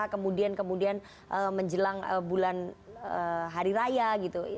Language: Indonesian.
kemudian kemudian menjelang bulan hari raya gitu